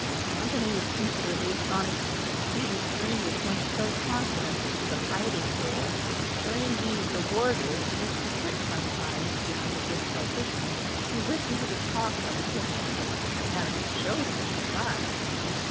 Anthony was considerably astonished to see this stranger point so confidently to the hiding hole, where indeed the warder used to sit sometimes behind a brick partition, to listen to the talk of the prisoners; and showed his surprise.